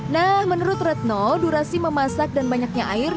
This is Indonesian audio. nah menurut retno durasi memasak dan banyaknya air